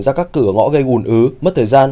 ra các cửa ngõ gây ủn ứ mất thời gian